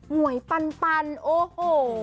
หวยปันโอ้โห